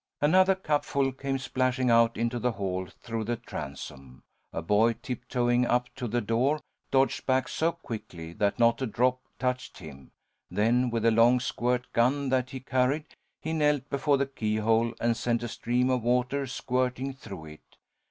Another cupful came splashing out into the hall through the transom. A boy, tiptoeing up to the door, dodged back so quickly that not a drop touched him; then with a long squirt gun that he carried, he knelt before the keyhole and sent a stream of water squirting through it.